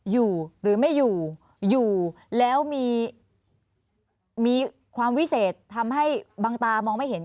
อยู่หรือไม่อยู่อยู่แล้วมีความวิเศษทำให้บางตามองไม่เห็น